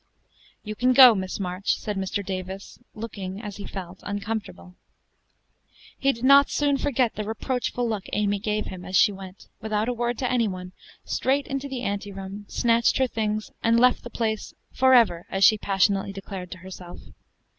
"You can go, Miss March," said Mr. Davis, looking, as he felt, uncomfortable. He did not soon forget the reproachful look Amy gave him, as she went, without a word to any one, straight into the ante room, snatched her things, and left the place "forever," as she passionately declared to herself.